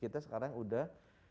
kita sekarang udah